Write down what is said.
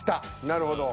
なるほど。